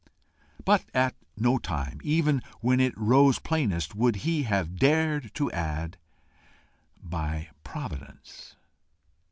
But at no time, even when it rose plainest, would he have dared to add by Providence.